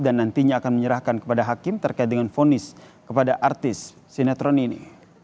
dan nantinya akan menyerahkan kepada hakim terkait dengan fonis kepada artis sinetron ini